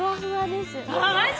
マジ？